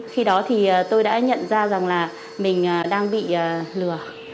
khi đó thì tôi đã nhận ra rằng là mình đang bị lừa